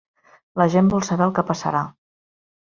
La gent vol saber el que passarà.